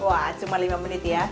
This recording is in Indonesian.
wah cuma lima menit ya